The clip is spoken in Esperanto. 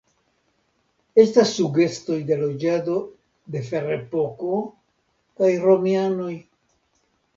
Estas sugestoj de loĝado de Ferepoko kaj romianoj.